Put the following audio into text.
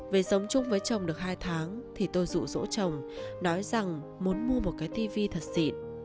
về sống chung với chồng được hai tháng thì tôi rụ rỗ chồng nói rằng muốn mua một cái tivi thật xịn